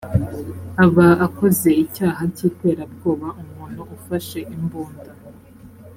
aba akoze icyaha cy iterabwoba umuntu ufashe imbunda